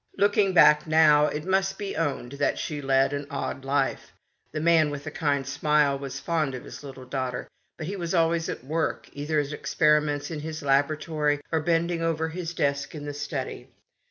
Looking back now, it must be owned that she led an odd life. The man with the kind smile was fond of his little daughter, but he was always at work, either at experiments in his laboratory or bending over his desk in the study.